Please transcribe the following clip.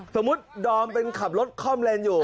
สมมุติดอมเป็นขับรถคล่อมเลนอยู่